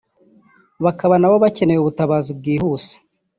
bakaba nabo bakeneye ubutabazi bwihuse